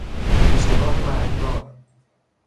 اشتباه مرگبار